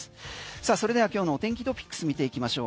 それでは今日の天気トピックス見ていきましょう。